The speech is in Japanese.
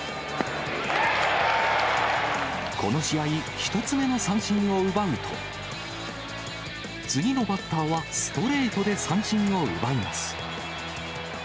この試合、１つ目の三振を奪うと、次のバッターはストレートで三振を奪います。